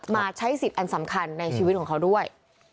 มาใช้สิทธิ์อันสำคัญในชีวิตของเขาด้วย